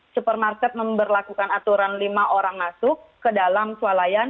supermarket memperlakukan aturan lima orang masuk ke dalam sualayan